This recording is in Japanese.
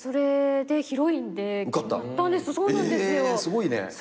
すごいね。